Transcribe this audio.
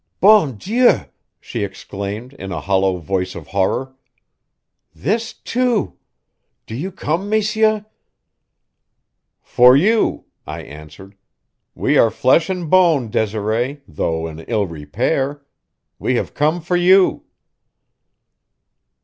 "Bon Dieu!" she exclaimed in a hollow voice of horror. "This, too! Do you come, messieurs?" "For you," I answered. "We are flesh and bone, Desiree, though in ill repair. We have come for you."